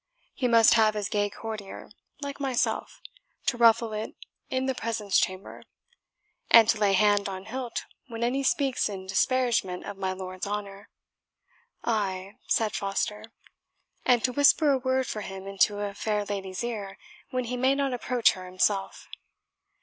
He must have his gay courtier, like myself, to ruffle it in the presence chamber, and to lay hand on hilt when any speaks in disparagement of my lord's honour " "Ay," said Foster, "and to whisper a word for him into a fair lady's ear, when he may not approach her himself."